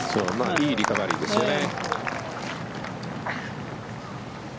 いいリカバリーですよね。